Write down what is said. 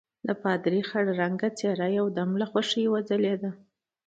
د پادري خړ رنګه څېره یو دم له خوښۍ څخه وځلېدله.